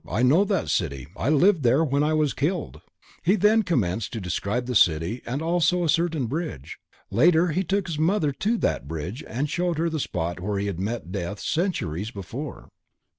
I know that city, I lived there and was killed! He then commenced to describe the city and also a certain bridge. Later he took his mother to that bridge and showed her the spot where he had met death centuries before.